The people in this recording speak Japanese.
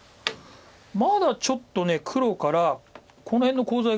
まだちょっと黒からこの辺のコウ材が。